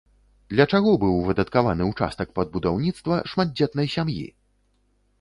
Для чаго быў выдаткаваны ўчастак пад будаўніцтва шматдзетнай сям'і?